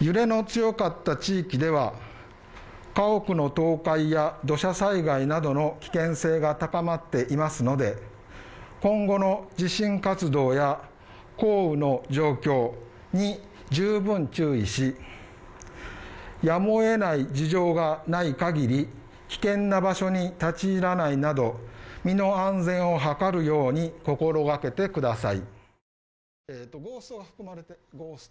揺れの強かった地域では、家屋の倒壊や土砂災害などの危険性が高まっていますので、今後の地震活動や降雨の状況に十分注意し、やむを得ない事情がない限り、危険な場所に立ちいらないなど身の安全を図るように心がけてください。